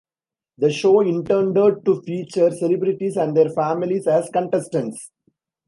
The show intended to feature celebrities and their families as contestants.